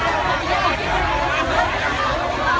ก็ไม่มีเวลาให้กลับมาเท่าไหร่